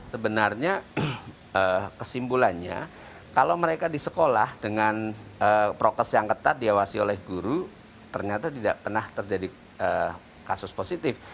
sebenarnya kesimpulannya kalau mereka di sekolah dengan prokes yang ketat diawasi oleh guru ternyata tidak pernah terjadi kasus positif